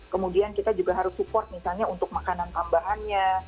kemudian kita juga harus support misalnya untuk makanan tambahannya